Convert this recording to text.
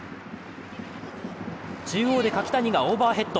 中央で柿谷がオーバーヘッド。